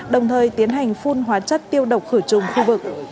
đồng thời tiến hành phun hóa chất tiêu độc khử trùng khu vực